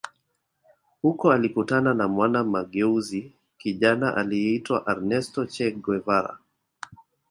Huko alikutana na mwana mageuzi kijana aliyeitwa Ernesto Che Guevara